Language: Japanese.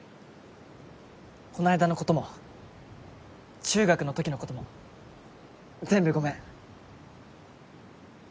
こないだのことも中学の時のことも全部ごめん。